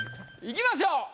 いきましょう。